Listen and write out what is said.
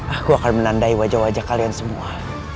aku akan menandai wajah wajah kalian semua